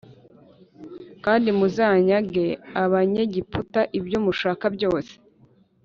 kandi muzanyage Abanyegiputa ibyomushaka byose